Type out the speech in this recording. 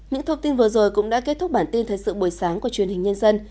những thông tin vừa rồi cũng đã kết thúc bản tin thời sự buổi sáng của truyền hình nhân dân